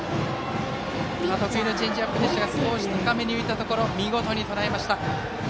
チェンジアップでしたが少し高めに浮いたところ見事にとらえました。